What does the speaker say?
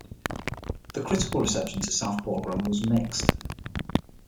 The critical reception to "Southpaw Grammar" was mixed.